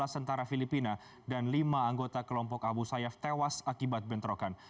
dua belas tentara filipina dan lima anggota kelompok abu sayyaf tewas akibat bentrokan